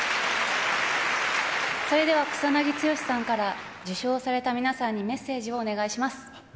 それでは草なぎ剛さんから、受賞された皆さんにメッセージをお願いします。